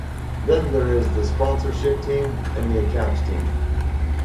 Then there is the sponsorship team, and the accounts team.